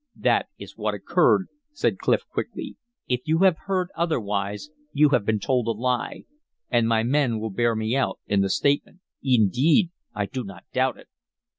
"That is what occurred," said Clif, quickly. "If you have heard otherwise you have been told a lie. And my men will bear me out in the statement." "Indeed! I do not doubt it."